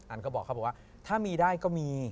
อันก็บอกเขาบอกว่าถ้ามีได้ก็มี